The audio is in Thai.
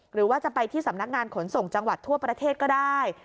หรือว่าจะไปที่สำนักงานขนส่งจังหวัดทั่วประเทศก็ได้